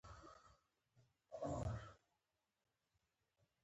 د رامنځته شوې موضوع له امله خپله صادقانه بښنه وړاندې کوم.